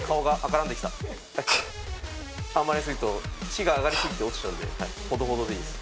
あんまりやり過ぎると血が上がり過ぎて落ちちゃうんでほどほどでいいです。